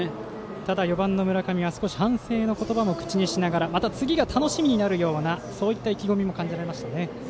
ただ、４番の村上は少し反省の言葉も口にしながらまた次が楽しみになるようなそういった意気込みも感じられましたね。